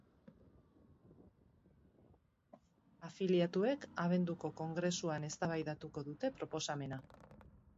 Afiliatuek abenduko kongresuan eztabaidatuko dute proposamena.